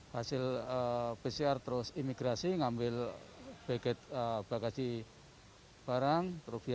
hasil pcr terus imigrasi ngambil bagasi barang